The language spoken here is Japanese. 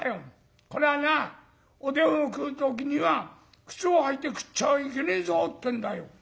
これはなおでんを食う時には靴を履いて食っちゃいけねえぞってんだよ」。